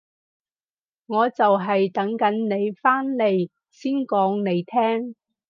我就係等緊你返嚟先講你聽